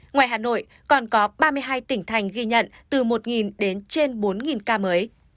ngoài hà nội còn có ba mươi hai tỉnh thành ghi nhận từ một đến trên bốn ca mới